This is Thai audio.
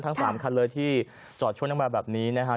ทั้ง๓คันเลยที่จอดช่วงทางมาแบบนี้นะฮะ